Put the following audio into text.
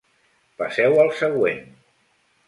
Passeu al següent.